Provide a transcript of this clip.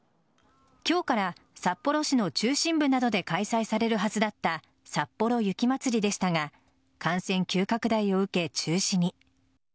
今日から札幌市の中心部などで開催されるはずだったさっぽろ雪まつりでしたが感染急拡大を受け、中止に。